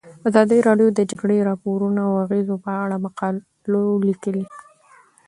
ازادي راډیو د د جګړې راپورونه د اغیزو په اړه مقالو لیکلي.